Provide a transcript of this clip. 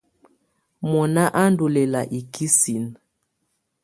Mɔnà á ndù lɛla ikisinǝ.